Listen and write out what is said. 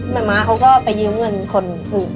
มะม้าเขาก็ไปยืมเงินคนอื่น